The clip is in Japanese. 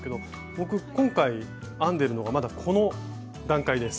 僕今回編んでるのがまだこの段階です。